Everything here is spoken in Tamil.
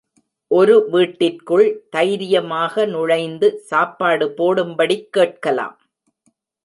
ஒரு வீட்டிற்குள் தைரியமாக நுழைந்து சாப்பாடு போடும்பபடிக் கேட்கலாம்.